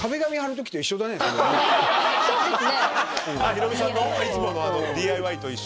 ヒロミさんのいつものＤＩＹと一緒と。